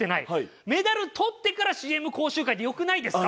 メダルとってからＣＭ講習会でよくないですか？